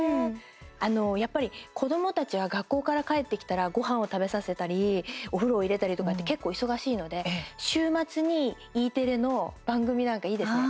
あの、やっぱり子どもたちは学校から帰ってきたらごはんを食べさせたりお風呂を入れたりとかって結構、忙しいので週末にＥテレの番組なんかいいですね。